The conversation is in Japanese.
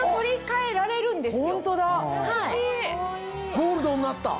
ゴールドになった。